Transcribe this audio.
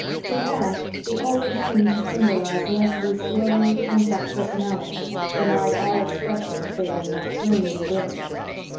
To Anne, it always seemed to symbolise Leslie's glowing, pent up personality, denied all expression save in that flaming glint.